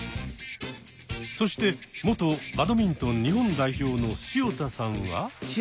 そして元バドミントン日本代表の潮田さんは。